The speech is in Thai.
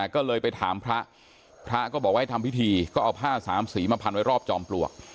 ก็เลยไปถามพระพระก็บอกว่าให้ทำพิธีก็เอาผ้าสามสีมาพันไว้รอบจอมปลวก